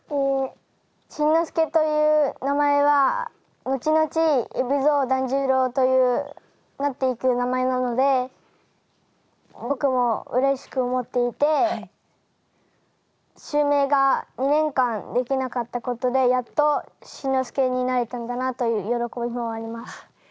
新之助という名前は後々海老蔵團十郎となっていく名前なので僕もうれしく思っていて襲名が２年間できなかったことでやっと新之助になれたんだなという喜びもあります。